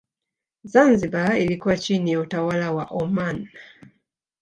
Zanzibar ilikuwa chini ya utawala wa Oman